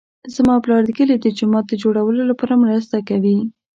زما پلار د کلي د جومات د جوړولو لپاره مرسته کوي